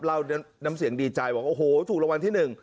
เล่าน้ำเสียงดีใจบอกโอ้โหถูกรางวัลที่หนึ่ง